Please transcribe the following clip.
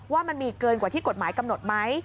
ว่ามันมีเกินกว่าที่กฎหมายกำหนดไหม